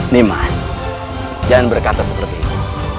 nimas jangan berkata seperti ini